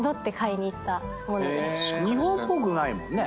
日本っぽくないもんね。